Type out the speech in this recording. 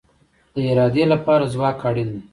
د ارادې لپاره ځواک اړین دی